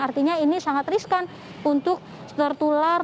artinya ini sangat riskan untuk tertular